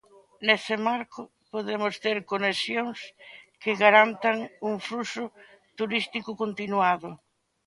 Nese marco, poderemos ter conexións que garantan un fluxo turístico continuado.